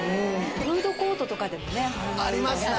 フードコートとかでもねありますよね